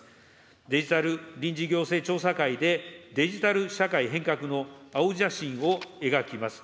デジタル臨時行政調査会で、デジタル社会変革の青写真を描きます。